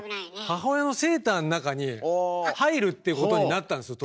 母親のセーターの中に入るっていうことになったんですよ